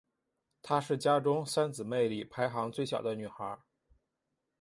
她是家中三姊妹里排行最小的女孩。